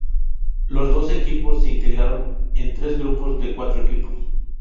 Los doce equipos se integraron en tres grupos de cuatro equipos.